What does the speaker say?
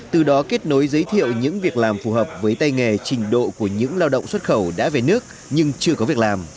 từ đó kết nối giới thiệu những việc làm phù hợp với tay nghề trình độ của những lao động xuất khẩu đã về nước nhưng chưa có việc làm